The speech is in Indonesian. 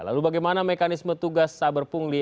lalu bagaimana mekanisme tugas saber pungli